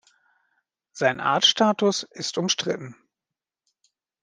Sein Artstatus ist umstritten.